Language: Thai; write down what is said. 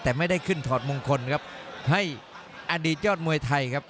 แต่ไม่ได้ขึ้นถอดมงคลครับให้อดีตยอดมวยไทยครับ